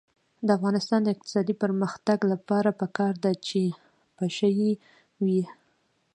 د افغانستان د اقتصادي پرمختګ لپاره پکار ده چې پشه یي وي.